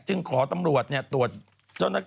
จึงขอตำรวจเนี่ย